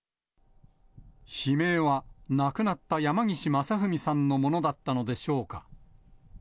悲鳴は亡くなった山岸正文さんのものだったのでしょうか。